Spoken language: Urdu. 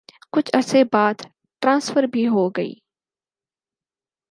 کچھ عرصے بعد ٹرانسفر بھی ہو گئی۔